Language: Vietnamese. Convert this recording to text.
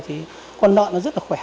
thì con đoạn rất là khỏe